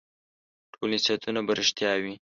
ټول نصیحتونه به رېښتیا وي ؟